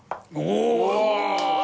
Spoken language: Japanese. うわ！